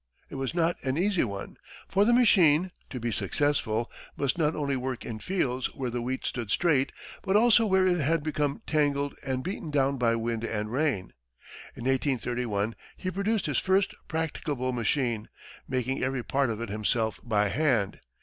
It was not an easy one, for the machine, to be successful, must not only work in fields where the wheat stood straight, but also where it had become tangled and beaten down by wind and rain. In 1831, he produced his first practicable machine, making every part of it himself by hand.